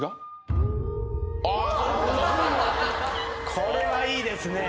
「これはいいですねぇ」